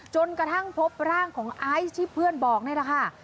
จนกระทั่งพบร่างของไอซ์ที่เพื่อนบอกนี่แหละค่ะ